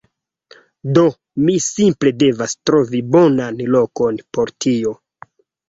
Do, mi simple devas trovi bonan lokon por tio